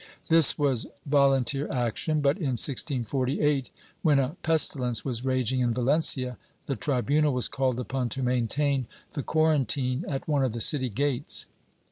^ This was volunteer action but, in 1648, when a pesti lence was raging in Valencia, the tribunal was called upon to maintain the quarantine at one of the city gates.